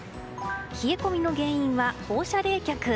冷え込みの原因は放射冷却。